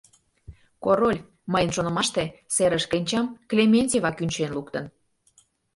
Король, мыйын шонымаште, серыш кленчам Клементьева кӱнчен луктын.